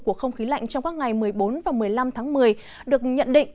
của không khí lạnh trong các ngày một mươi bốn và một mươi năm tháng một mươi được nhận định